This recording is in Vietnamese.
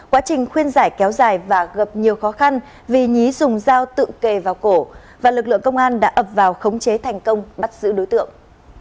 quá trình khuyên giải kéo dài và gặp nhiều khó khăn vì nhí dùng dao tự kề vào cổ và lực lượng công an đã ập vào khống chế thành công bắt giữ đối tượng